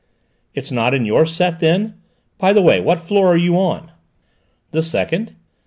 "It's not in your set, then? By the way, what floor are you on?" "The second."